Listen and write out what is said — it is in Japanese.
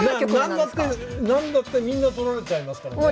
何だって何だってみんな取られちゃいますからねえ。